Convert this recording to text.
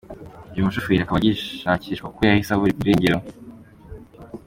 Uyu mushoferi akaba agishakishwa kuko yahise aburirwa irengero